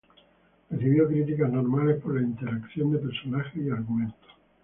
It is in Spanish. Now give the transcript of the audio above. Recibió críticas normales por la interacción de personajes y argumento.